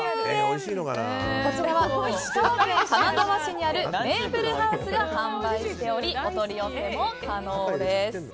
こちらは、石川県金沢市にあるメープルハウスが販売しておりお取り寄せも可能です。